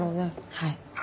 はい。